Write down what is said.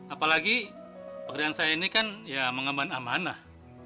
apalagi pekerjaan saya ini kan ya mengemban amanah